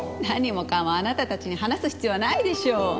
何もかもあなたたちに話す必要はないでしょう。